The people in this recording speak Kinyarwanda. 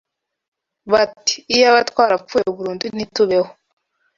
bati iyaba twarapfuye burundu ntitubeho